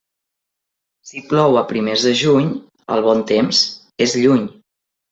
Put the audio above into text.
Si plou a primers de juny, el bon temps és lluny.